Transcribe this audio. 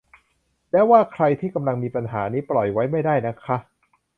ว่าแล้วใครที่กำลังมีปัญหานี้ปล่อยไว้ไม่ได้นะคะ